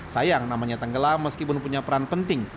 sayang namanya tenggelam meskipun punya peran penting